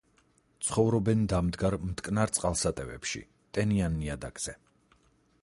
ცხოვრობენ დამდგარ მტკნარ წყალსატევებში, ტენიან ნიადაგზე.